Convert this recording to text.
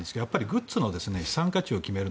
グッズの資産価値を決める